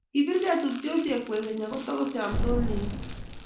biregei tupchosiek kwekeny aku tukuchamsot mising